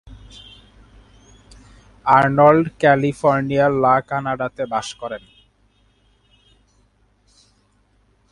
Arnold ক্যালিফোর্নিয়ার লা কানাডাতে বাস করেন।